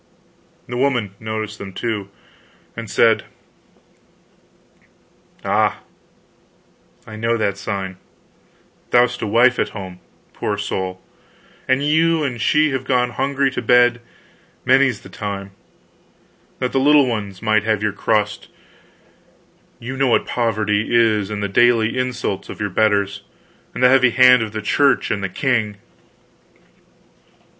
The woman noticed them, too, and said: "Ah, I know that sign: thou'st a wife at home, poor soul, and you and she have gone hungry to bed, many's the time, that the little ones might have your crust; you know what poverty is, and the daily insults of your betters, and the heavy hand of the Church and the king."